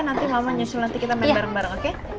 nanti mama nyusul nanti kita main bareng bareng oke